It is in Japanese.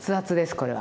これは。